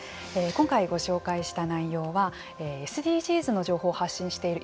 今回ご紹介した内容はＳＤＧｓの情報を発信している